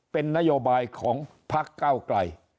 เป็นนโยบายของพักเก้าไกล